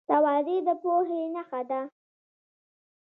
تواضع د پوهې نښه ده.